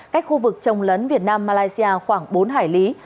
cách khu vực trồng lấn việt nam malaysia khoảng bốn hải lý